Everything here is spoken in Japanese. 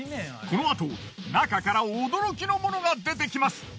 この後中から驚きのモノが出てきます。